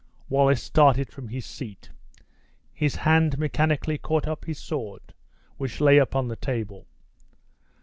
Wallace started from his seat. His hand mechanically caught up his sword, which lay upon the table.